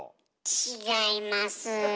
違います。